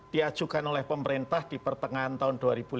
diajukan oleh pemerintah di pertengahan tahun dua ribu delapan belas